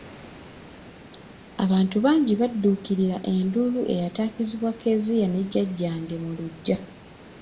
Abantu bangi badduukirira enduulu eyatakizibwa Kezia ne Jjajjange mu luggya.